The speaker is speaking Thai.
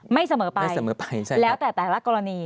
ไม่เสมอไปแล้วแต่แต่ละกรณี